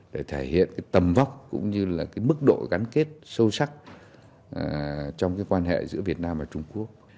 để thể hiện tầm vóc cũng như mức độ gắn kết sâu sắc trong quan hệ giữa việt nam và trung quốc